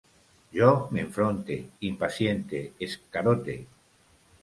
Jo m'enfronte, impaciente, escarote